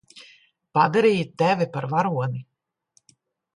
Padarīju tevi par varoni.